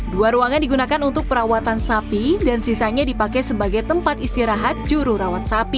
dua ruangan digunakan untuk perawatan sapi dan sisanya dipakai sebagai tempat istirahat juru rawat sapi